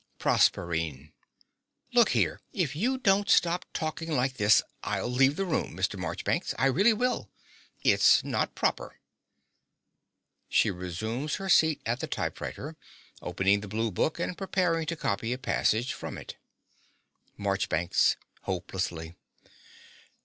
PROSERPINE. Look here: if you don't stop talking like this, I'll leave the room, Mr. Marchbanks: I really will. It's not proper. (She resumes her seat at the typewriter, opening the blue book and preparing to copy a passage from it.) MARCHBANKS (hopelessly).